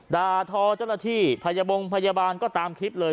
ดาทอจรธิพยบงพยาบาลก็ตามคลิปเลย